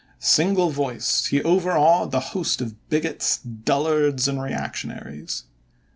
Single voiced he overawed the host of bigots, dullards, and reactionaries.